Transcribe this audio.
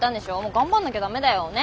頑張んなきゃ駄目だよ。ね？